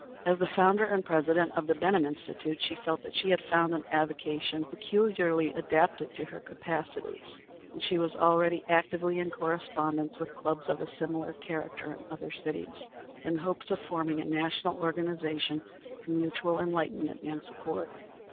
As the founder and president of the Benham Institute, she felt that she had found an avocation peculiarly adapted to her capacities, and she was already actively in correspondence with clubs of a similar character in other cities, in the hope of forming a national organization for mutual enlightenment and support.